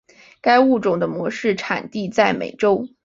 该物种的模式产地在美洲。